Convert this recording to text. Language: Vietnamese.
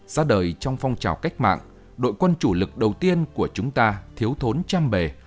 ra đời trong phong trào cách mạng đội quân chủ lực đầu tiên của chúng ta thiếu thốn trăm bề